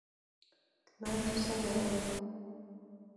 그만두세요.